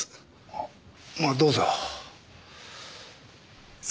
あまあどうぞ。